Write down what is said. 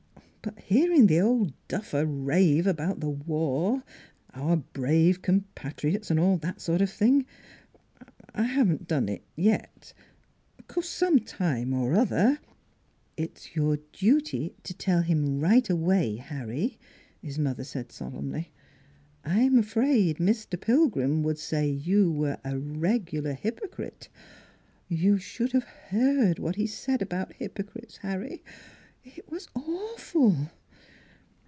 But hearing the old duffer rave about the war our brave compatriots, and all that sort of thing I er haven't done it yet. Of course sometime or other "" It's your duty to tell him right away, Harry," his mother said solemnly. " I'm afraid Mr. Pil grim would say you were a regular hypocrite. You should have heard what he said about hypo crites, Harry. It was awful!